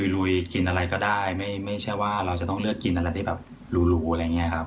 ลุยกินอะไรก็ได้ไม่ใช่ว่าเราจะต้องเลือกกินอะไรได้แบบหรูอะไรอย่างนี้ครับ